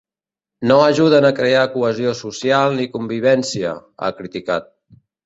No ajuden a crear cohesió social ni convivència, ha criticat.